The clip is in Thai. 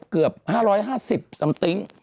เกือบบัตร๕๕๐